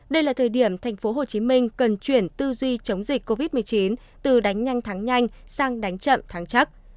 đây là thời điểm tp hcm cần chuyển tư duy chống dịch covid một mươi chín từ đánh nhanh thắng nhanh sang đánh chậm thắng chắc